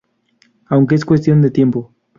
Aunque es cuestión de tiempo.